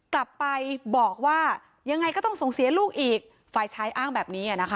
กลับไปบอกว่ายังไงก็ต้องส่งเสียลูกอีกฝ่ายชายอ้างแบบนี้อ่ะนะคะ